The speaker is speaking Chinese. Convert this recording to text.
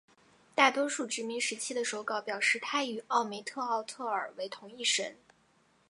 大多数殖民时期的手稿表示她与奥梅特奥特尔为同一神。